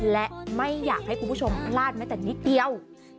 และไม่อยากให้คุณผู้ชมพลาดแม้แต่นิดเดียว